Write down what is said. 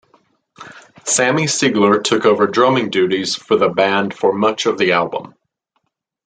Sammy Siegler took over drumming duties for the band for much of the album.